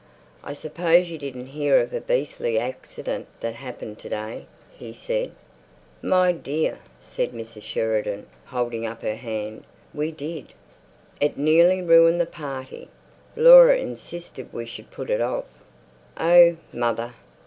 "I suppose you didn't hear of a beastly accident that happened to day?" he said. "My dear," said Mrs. Sheridan, holding up her hand, "we did. It nearly ruined the party. Laura insisted we should put it off." "Oh, mother!"